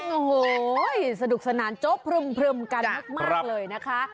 โอ้โหสนุกสนานโจ๊พรึมกันมากเลยนะคะ